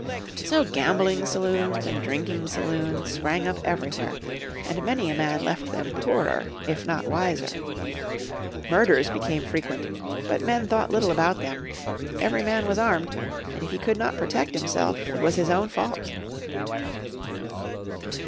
So gambling saloons, and drinking saloons, sprang up everywhere, and many a man left them poorer if not wiser. Murders became frequent, but men thought little about them. Every man went armed, and if he could not protect himself it was his own fault.